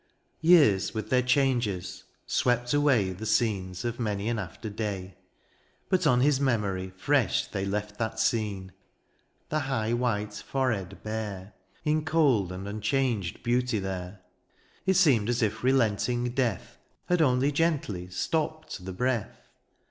Years with their changes^ swept away The scenes of many an after day^ But on his memory fresh they left That scene — ^the high white forehead bare. In cold and imchanged beauty there : It seemed as if relenting death Had only gently stopped tlie breath.